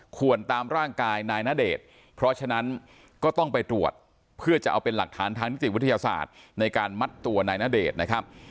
ควรตามร่างกายนายณเดชน์เพราะฉะนั้นก็ต้องไปตรวจเพื่อจะเอาเป็นหลักฐานทางนิติวิทยาศาสตร์ในการมัดตัวนายณเดชน์นะครับ